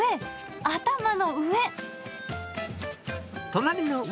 頭の上。